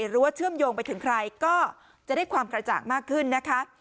เชื่อมโยงไปถึงใครก็จะได้ความกระจ่างมากขึ้นนะคะ